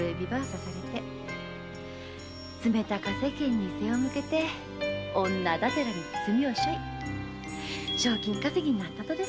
冷たか世間に背を向けて女だてらに墨を背負い賞金稼ぎになったとです。